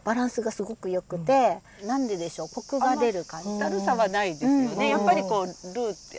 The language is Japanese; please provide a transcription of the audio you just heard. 甘ったるさはないですよね。